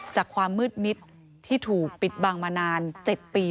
ความมืดมิดที่ถูกปิดบังมานาน๗ปี